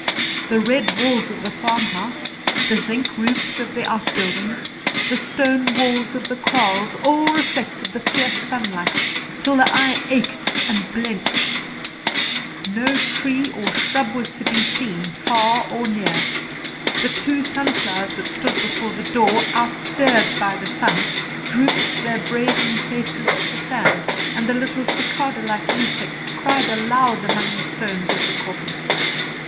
The red walls of the farmhouse, the zinc roofs of the outbuildings, the stone walls of the kraals, all reflected the fierce sunlight, till the eye ached and blenched. No tree or shrub was to be seen far or near. The two sunflowers that stood before the door, out stared by the sun, drooped their brazen faces to the sand; and the little cicada like insects cried aloud among the stones of the kopje.